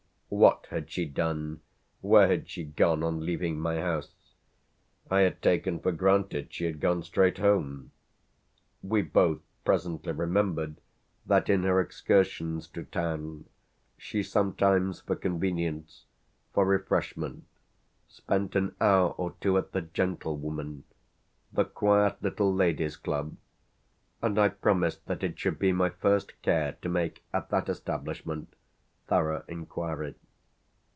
What had she done, where had she gone on leaving my house? I had taken for granted she had gone straight home. We both presently remembered that in her excursions to town she sometimes, for convenience, for refreshment, spent an hour or two at the "Gentlewomen," the quiet little ladies' club, and I promised that it should be my first care to make at that establishment thorough inquiry.